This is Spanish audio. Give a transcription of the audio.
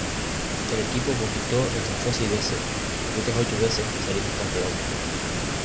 El equipo conquistó el trofeo seis veces, y otras ocho veces salió subcampeón.